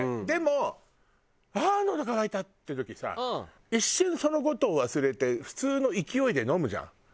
でもああのど渇いたっていう時さ一瞬その事を忘れて普通の勢いで飲むじゃん。